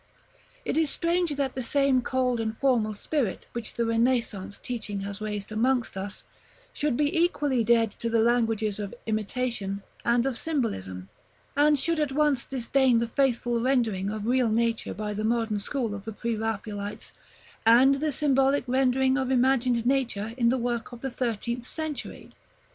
It is strange that the same cold and formal spirit which the Renaissance teaching has raised amongst us, should be equally dead to the languages of imitation and of symbolism; and should at once disdain the faithful rendering of real nature by the modern school of the Pre Raphaelites, and the symbolic rendering of imagined nature in the work of the thirteenth century.